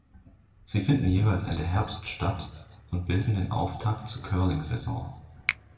Sie finden jeweils Ende Herbst statt und bilden den Auftakt zur Curling-Saison.